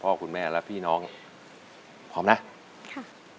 เพลงสุขภัณฑ์ไม่เคยหวังเว้นถ้าฉันร้องเพลงคนต้องชอบก่อน